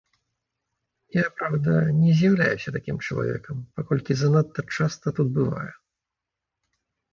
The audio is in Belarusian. Я, праўда, не з'яўляюся такім чалавекам, паколькі занадта часта тут бываю.